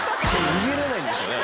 逃げれないんですよね。